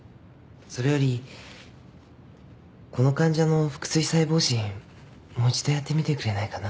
それよりこの患者の腹水細胞診もう一度やってみてくれないかな。